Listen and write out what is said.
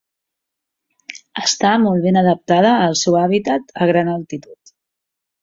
Està molt ben adaptada al seu hàbitat a gran altitud.